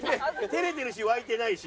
照れてるし沸いてないし。